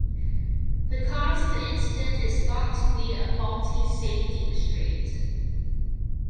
The cause of the incident is thought to be a faulty safety restraint.